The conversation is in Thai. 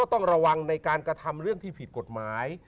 ต้องระวังในการกระทำเรื่องที่ผิดกฎหมาย